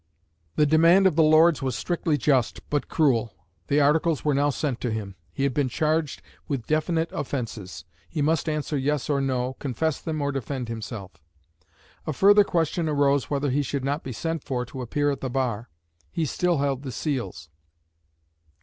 The demand of the Lords was strictly just, but cruel; the Articles were now sent to him; he had been charged with definite offences; he must answer yes or no, confess them or defend himself. A further question arose whether he should not be sent for to appear at the bar. He still held the seals.